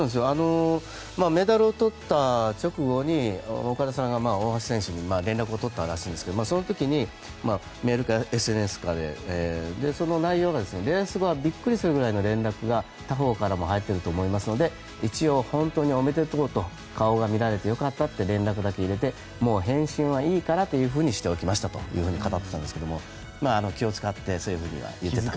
メダルを取った直後に岡田さんが大橋選手に連絡を取ったらしいんですがその時に、メールかＳＮＳかでその内容がレース後はびっくりするぐらいの連絡が他方からも入っていると思いますので一応、本当におめでとうと顔が見られてよかったという連絡だけ入れてもう返信はいいからっていうふうにしておきましたって語っていたんですけど気を使ってそう言っていました。